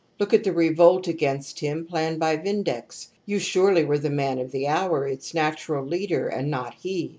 Look at the revolt ΟΗΑΡ. against him planned by Vindex, you surely were the !" man of the hour, its natural leader, and not he!